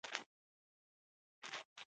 سهار د طبیعت ژوندي کېدل دي.